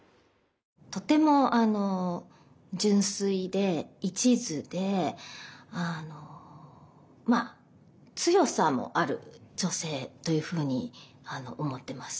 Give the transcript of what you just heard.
とても純粋で一途でまあ強さもある女性というふうに思ってます。